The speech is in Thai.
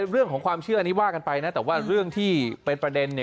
เรื่องของความเชื่ออันนี้ว่ากันไปนะแต่ว่าเรื่องที่เป็นประเด็นเนี่ย